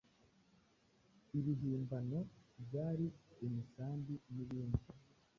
ibihimbano.byari imisambi nibindi